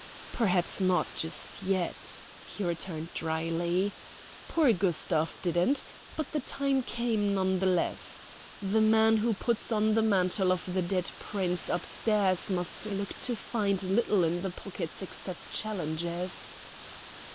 "Perhaps not just yet," he returned dryly. "Poor Gustav didn't but the time came none the less. The man who puts on the mantle of the dead Prince upstairs must look to find little in the pockets except challenges."